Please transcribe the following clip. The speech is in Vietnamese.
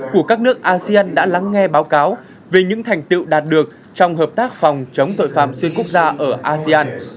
của các nước asean đã lắng nghe báo cáo về những thành tựu đạt được trong hợp tác phòng chống tội phạm xuyên quốc gia ở asean